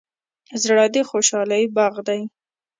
زړه د خوشحالۍ باغ دی.